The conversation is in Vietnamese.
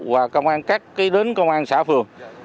và công an các đến công an xã phường